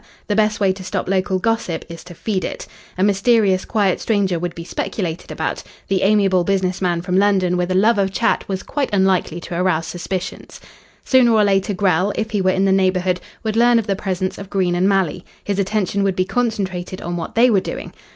The best way to stop local gossip is to feed it. A mysterious quiet stranger would be speculated about, the amiable business man from London with a love of chat was quite unlikely to arouse suspicions. Sooner or later Grell, if he were in the neighbourhood, would learn of the presence of Green and Malley. His attention would be concentrated on what they were doing.